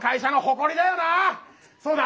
そうだ。